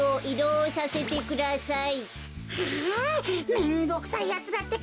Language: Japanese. めんどくさいやつだってか。